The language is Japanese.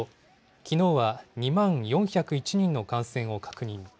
きのうは２万４０１人の感染を確認。